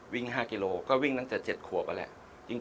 วิ่ง๕กิโลกรัมก็วิ่งตั้งแต่๗ขวบแล้ว